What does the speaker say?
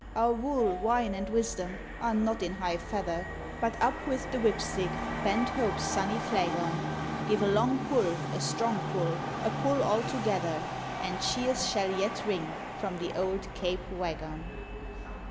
Our wool, wine, and wisdom are not in "high feather;" But up with the whip stick! Bend Hope's sunny flag on; "Give a long pull, a strong pull, a pull altogether," And cheers shall yet ring from the old Cape wagon.